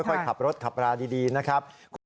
ค่อยขับรถขับราดีนะครับ